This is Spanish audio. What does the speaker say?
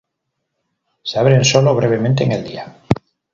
Se abren sólo brevemente en el día.